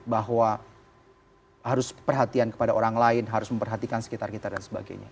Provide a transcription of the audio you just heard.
bahwa harus perhatian kepada orang lain harus memperhatikan sekitar kita dan sebagainya